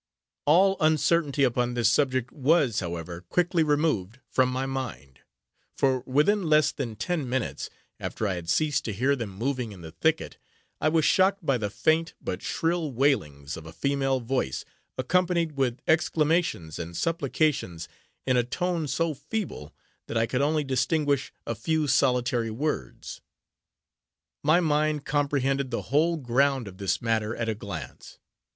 All uncertainty upon this subject was, however, quickly removed from my mind; for within less than ten minutes, after I had ceased to hear them moving in the thicket, I was shocked by the faint, but shrill wailings of a female voice, accompanied with exclamations and supplications, in a tone so feeble that I could only distinguish a few solitary words. My mind comprehended the whole ground of this matter, at a glance.